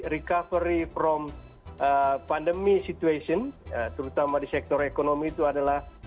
recovery from pandemi situation terutama di sektor ekonomi itu adalah